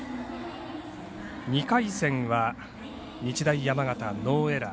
２回戦は日大山形、ノーエラー。